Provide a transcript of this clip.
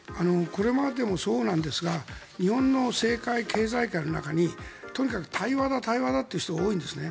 これまでもそうなんですが日本の政界、経済界の中にとにかく対話だ、対話だと言う人が多いんですね。